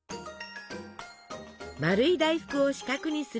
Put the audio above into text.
丸い大福を四角にする鍵。